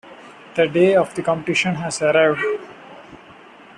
The day of the competition has arrived.